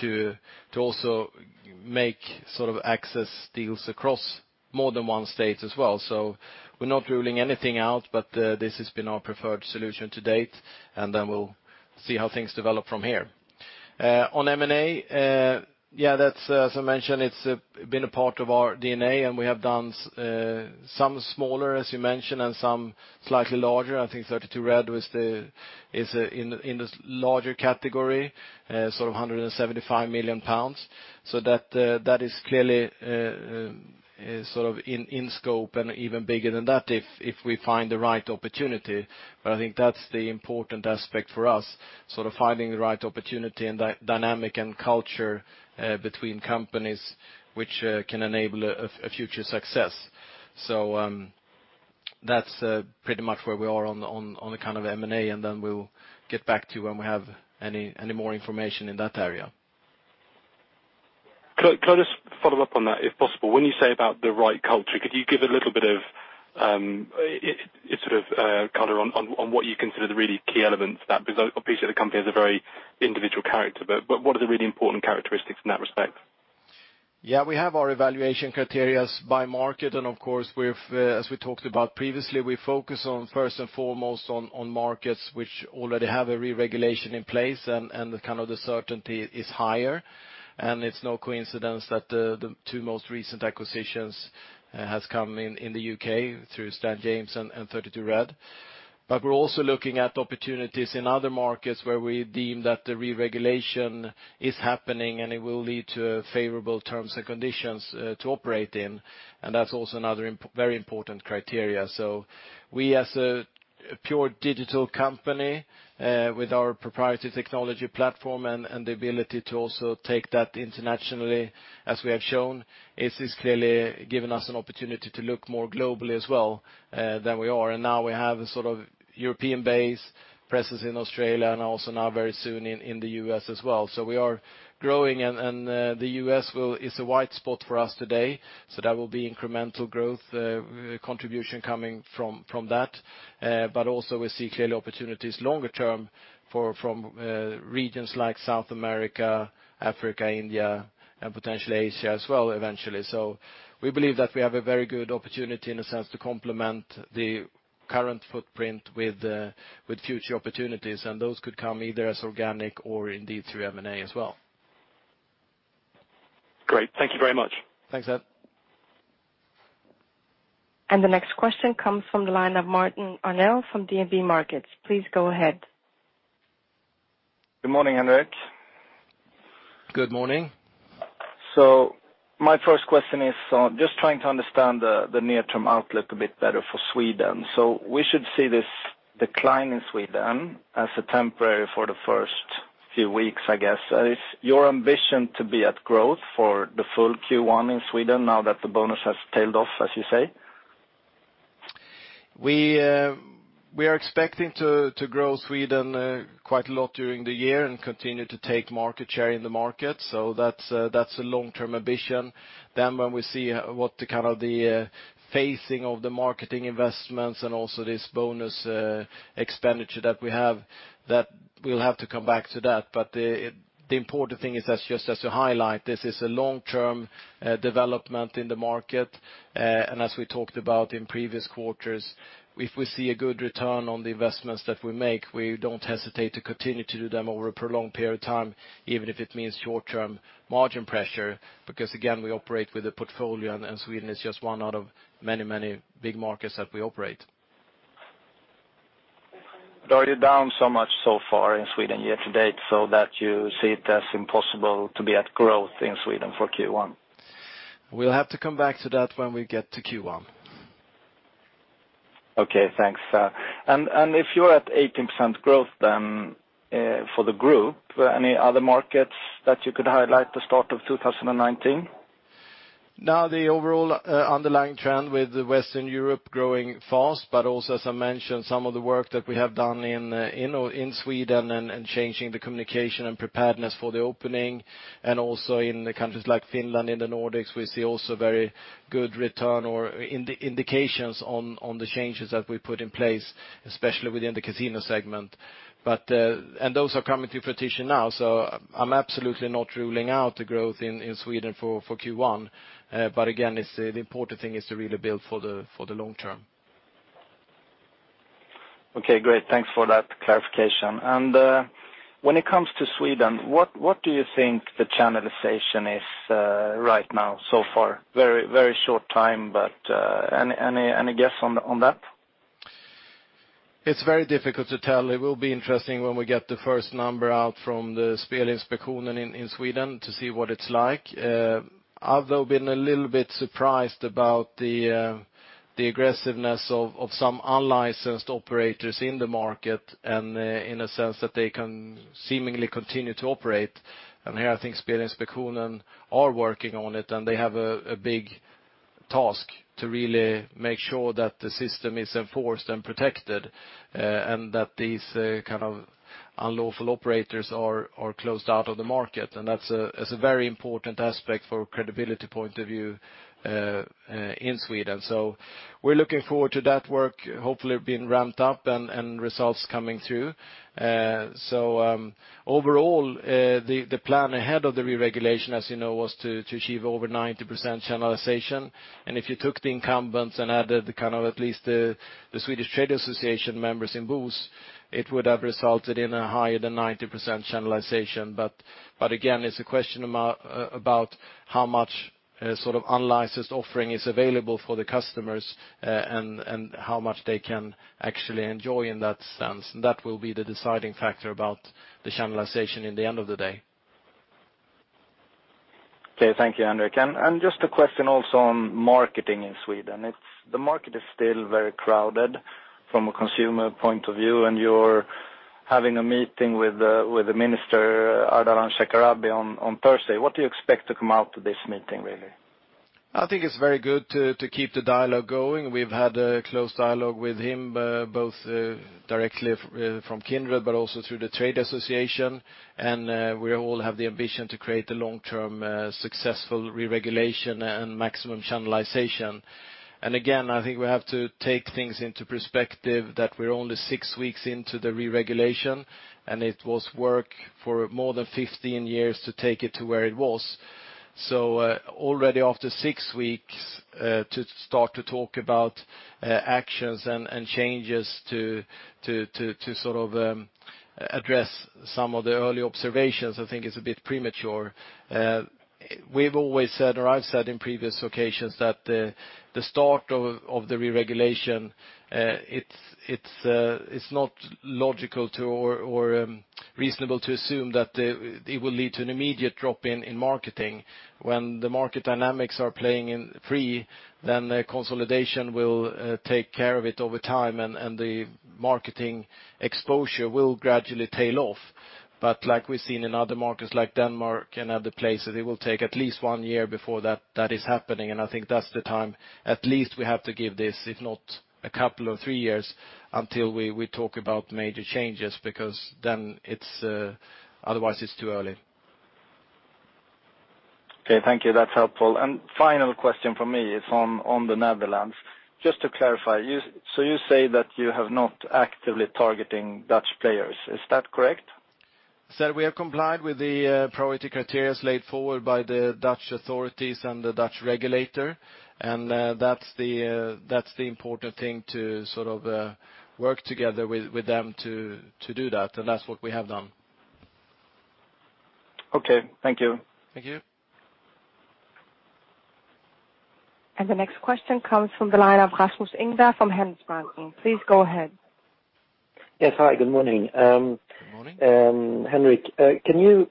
to also make sort of access deals across more than one state as well. We're not ruling anything out, but this has been our preferred solution to date, we'll see how things develop from here. On M&A, yeah, as I mentioned, it's been a part of our DNA, and we have done some smaller, as you mentioned, and some slightly larger. I think 32Red is in the larger category, sort of 175 million pounds. That is clearly sort of in scope and even bigger than that if we find the right opportunity. I think that's the important aspect for us, sort of finding the right opportunity and dynamic and culture between companies which can enable a future success. That's pretty much where we are on the kind of M&A, we'll get back to you when we have any more information in that area. Could I just follow up on that, if possible? When you say about the right culture, could you give a little bit of color on what you consider the really key elements? Obviously the company has a very individual character, but what are the really important characteristics in that respect? Yeah, we have our evaluation criteria by market and, of course, as we talked about previously, we focus first and foremost on markets which already have a re-regulation in place and the kind of the certainty is higher. It's no coincidence that the two most recent acquisitions has come in the U.K. through Stan James and 32Red. We're also looking at opportunities in other markets where we deem that the re-regulation is happening, and it will lead to favorable terms and conditions to operate in. That's also another very important criteria. We as a pure digital company with our proprietary technology platform and the ability to also take that internationally, as we have shown, it has clearly given us an opportunity to look more globally as well than we are. Now we have a European-based presence in Australia and also very soon in the U.S. as well. We are growing, and the U.S. is a white spot for us today, there will be incremental growth contribution coming from that. Also we see clearly opportunities longer term from regions like South America, Africa, India, and potentially Asia as well eventually. We believe that we have a very good opportunity, in a sense, to complement the current footprint with future opportunities, and those could come either as organic or indeed through M&A as well. Great. Thank you very much. Thanks, Ed. The next question comes from the line of Martin Arnell from DNB Markets. Please go ahead. Good morning, Henrik. Good morning. My first question is just trying to understand the near-term outlook a bit better for Sweden. We should see this decline in Sweden as temporary for the first few weeks, I guess. Is your ambition to be at growth for the full Q1 in Sweden now that the bonus has tailed off, as you say? We are expecting to grow Sweden quite a lot during the year and continue to take market share in the market. That's a long-term ambition. When we see what the phasing of the marketing investments and also this bonus expenditure that we have, we'll have to come back to that. The important thing is, just as a highlight, this is a long-term development in the market. As we talked about in previous quarters, if we see a good return on the investments that we make, we don't hesitate to continue to do them over a prolonged period of time, even if it means short-term margin pressure, because, again, we operate with a portfolio, and Sweden is just one out of many, many big markets that we operate. Are you down so much so far in Sweden year-to-date so that you see it as impossible to be at growth in Sweden for Q1? We'll have to come back to that when we get to Q1. Okay, thanks. If you're at 18% growth then for the group, any other markets that you could highlight at the start of 2019? The overall underlying trend with Western Europe growing fast, but also, as I mentioned, some of the work that we have done in Sweden and changing the communication and preparedness for the opening, and also in the countries like Finland in the Nordics, we see also very good return or indications on the changes that we put in place, especially within the casino segment. Those are coming to fruition now, so I'm absolutely not ruling out the growth in Sweden for Q1. Again, the important thing is to really build for the long term. Okay, great. Thanks for that clarification. When it comes to Sweden, what do you think the channelization is right now so far? Very short time, but any guess on that? It's very difficult to tell. It will be interesting when we get the first number out from the Spelinspektionen in Sweden to see what it's like. I've, though, been a little bit surprised about the aggressiveness of some unlicensed operators in the market, and in a sense that they can seemingly continue to operate. Here I think Spelinspektionen are working on it, and they have a big task to really make sure that the system is enforced and protected and that these kind of unlawful operators are closed out of the market. That's a very important aspect for credibility point of view in Sweden. We're looking forward to that work hopefully being ramped up and results coming through. Overall, the plan ahead of the reregulation, as you know, was to achieve over 90% channelization. If you took the incumbents and added at least the Swedish Trade Association members in BOS, it would have resulted in a higher than 90% channelization. Again, it's a question about how much unlicensed offering is available for the customers and how much they can actually enjoy in that sense. That will be the deciding factor about the channelization in the end of the day. Okay. Thank you, Henrik. Just a question also on marketing in Sweden. The market is still very crowded from a consumer point of view, and you're having a meeting with the Minister Ardalan Shekarabi on Thursday. What do you expect to come out of this meeting, really? I think it's very good to keep the dialogue going. We've had a close dialogue with him, both directly from Kindred, but also through the trade association. We all have the ambition to create a long-term successful reregulation and maximum channelization. Again, I think we have to take things into perspective that we're only six weeks into the reregulation, and it was work for more than 15 years to take it to where it was. Already after six weeks, to start to talk about actions and changes to address some of the early observations, I think is a bit premature. We've always said, or I've said in previous occasions, that the start of the reregulation, it's not logical or reasonable to assume that it will lead to an immediate drop in marketing. When the market dynamics are playing free, consolidation will take care of it over time, the marketing exposure will gradually tail off. Like we've seen in other markets like Denmark and other places, it will take at least one year before that is happening. I think that's the time at least we have to give this, if not a couple or three years, until we talk about major changes, because otherwise it's too early Okay, thank you. That's helpful. Final question from me is on the Netherlands. Just to clarify, you say that you have not actively targeting Dutch players. Is that correct? Sir, we have complied with the priority criteria laid forward by the Dutch authorities and the Dutch regulator, that's the important thing to sort of work together with them to do that's what we have done. Okay. Thank you. Thank you. The next question comes from the line of Rasmus Engberg from Handelsbanken. Please go ahead. Yes. Hi, good morning. Good morning. Henrik, can you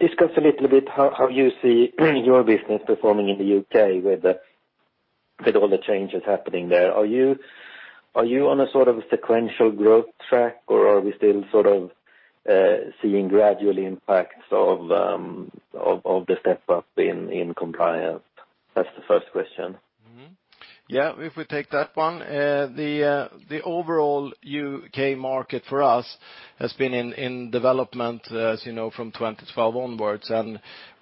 discuss a little bit how you see your business performing in the U.K. with all the changes happening there? Are you on a sort of sequential growth track, or are we still sort of seeing gradual impacts of the step up in compliance? That's the first question. Yeah, if we take that one, the overall U.K. market for us has been in development as you know, from 2012 onwards.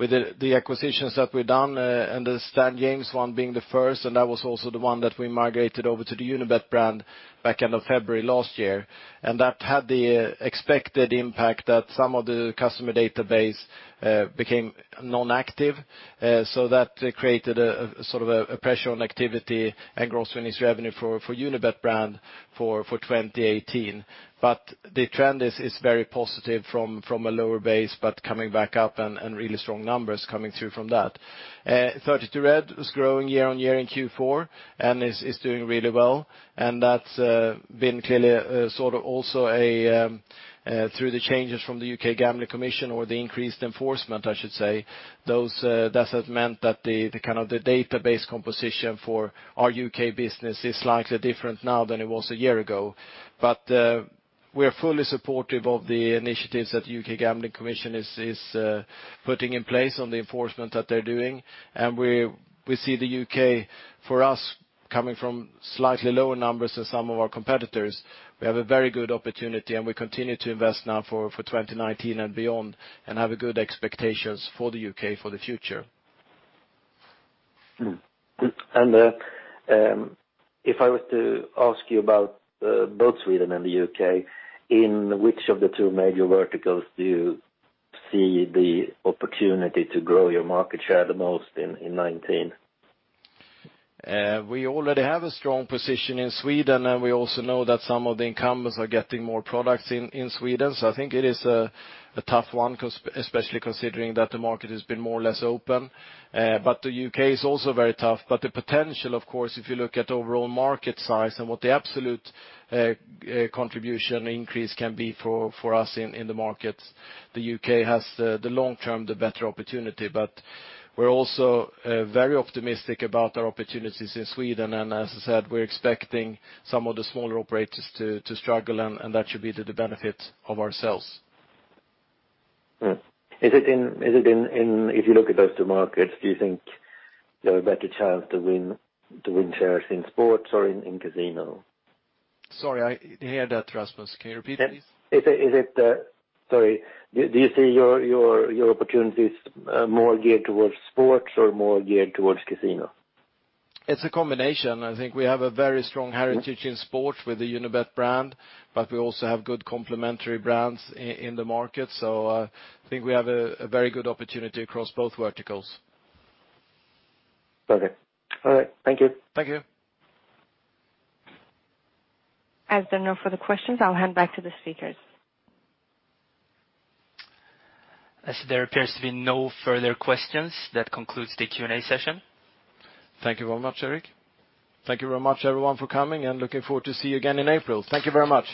With the acquisitions that we've done, the Stan James one being the first, that was also the one that we migrated over to the Unibet brand back end of February last year. That had the expected impact that some of the customer database became non-active, so that created a sort of a pressure on activity and gross winnings revenue for Unibet brand for 2018. The trend is very positive from a lower base, coming back up and really strong numbers coming through from that. 32Red was growing year-on-year in Q4 and is doing really well and that's been clearly sort of also through the changes from the U.K. Gambling Commission or the increased enforcement, I should say, that has meant that the kind of the database composition for our U.K. business is slightly different now than it was a year ago. We are fully supportive of the initiatives that U.K. Gambling Commission is putting in place on the enforcement that they're doing. We see the U.K., for us, coming from slightly lower numbers than some of our competitors. We have a very good opportunity, and we continue to invest now for 2019 and beyond and have good expectations for the U.K. for the future. If I were to ask you about both Sweden and the U.K., in which of the two major verticals do you see the opportunity to grow your market share the most in 2019? We already have a strong position in Sweden. We also know that some of the incumbents are getting more products in Sweden. I think it is a tough one, especially considering that the market has been more or less open. The U.K. is also very tough, but the potential, of course, if you look at overall market size and what the absolute contribution increase can be for us in the markets, the U.K. has, the long-term, the better opportunity. We're also very optimistic about our opportunities in Sweden. As I said, we're expecting some of the smaller operators to struggle, and that should be to the benefit of ourselves. Is it in, if you look at those two markets, do you think you have a better chance to win shares in sports or in casino? Sorry, I didn't hear that, Rasmus. Can you repeat please? Sorry. Do you see your opportunities more geared towards sports or more geared towards casino? It's a combination. I think we have a very strong heritage in sports with the Unibet brand, but we also have good complementary brands in the market. I think we have a very good opportunity across both verticals. Okay. All right. Thank you. Thank you. As there are no further questions, I'll hand back to the speakers. As there appears to be no further questions, that concludes the Q&A session. Thank you very much, Erik. Thank you very much, everyone, for coming, and looking forward to see you again in April. Thank you very much.